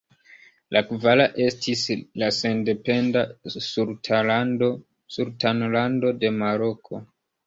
La kvara estis la sendependa Sultanlando de Maroko.